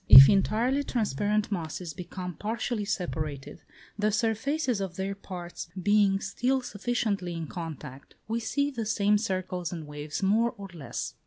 If entirely transparent masses become partially separated, the surfaces of their parts being still sufficiently in contact, we see the same circles and waves more or less.